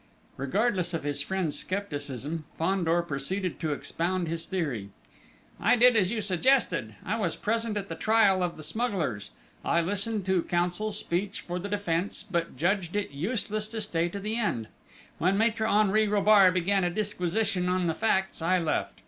Regardless of his friend's scepticism, Fandor proceeded to expound his theory. "I did as you suggested. I was present at the trial of the smugglers: I listened to Counsel's speech for the defence, but judged it useless to stay to the end. When Maître Henri Robart began a disquisition on the facts, I left.